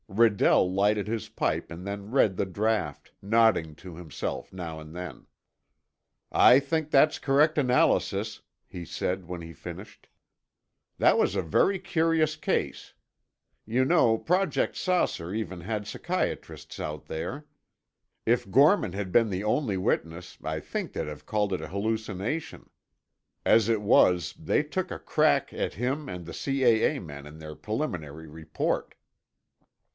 Redell lighted his pipe and then read the draft, nodding to himself now and then. "I think that's correct analysis," he said when he finished. "That was a very curious case. You know, Project 'Saucer' even had psychiatrists out there. If Gorman had been the only witness, I think they'd have called it a hallucination. As it was, they took a crack at him and the C.A.A. men in their preliminary report."